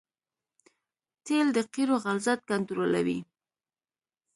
تیل د قیرو غلظت کنټرولوي